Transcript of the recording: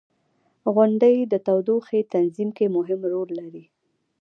• غونډۍ د تودوخې تنظیم کې مهم رول لري.